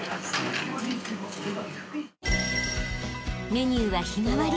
［メニューは日替わり］